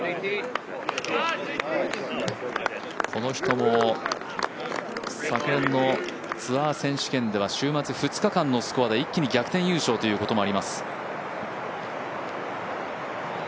この人も昨年のツアー選手権では週末２日間のスコアで一気に逆転優勝ということもあります。